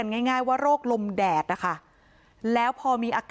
อาบน้ำเป็นจิตเที่ยว